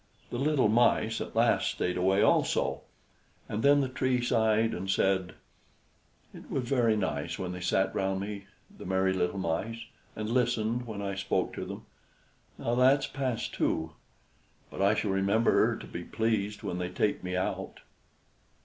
The little Mice at last stayed away also; and then the Tree sighed and said: "It was very nice when they sat round me, the merry little Mice, and listened when I spoke to them. Now that's past too. But I shall remember to be pleased when they take me out."